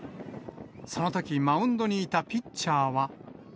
そのとき、マウンドにいたピッチャーは。